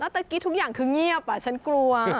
เมื่อกี้ทุกอย่างคือเงียบฉันกลัว